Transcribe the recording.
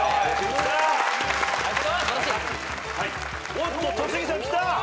おっと戸次さんきた！